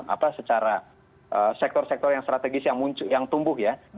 apa secara sektor sektor yang strategis yang tumbuh ya